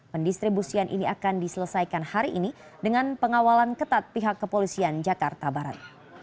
pendistribusian ini akan diselesaikan hari ini dengan pengawalan ketat pihak kepolisian jakarta barat